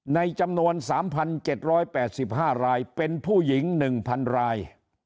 ในจำนวน๓๗๘๕รายเป็นผู้หญิง๑๐๐๐ราย